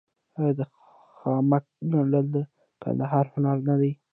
آیا د خامک ګنډل د کندهار هنر نه دی؟